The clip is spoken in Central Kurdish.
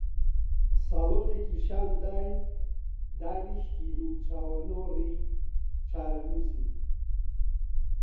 ساڵۆنێکی شان داین، دانیشتین و چاوەنۆڕی چارەنووسین